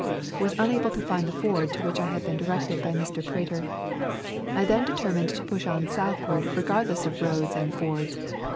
Was unable to find the ford to which I had been directed by Mr. Prater. I then determined to push on southward regardless of roads and fords.